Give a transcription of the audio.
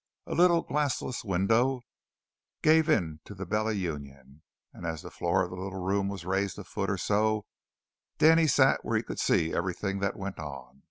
A little glassless window gave into the Bella Union, and as the floor of the little room was raised a foot or so, Danny sat where he could see everything that went on.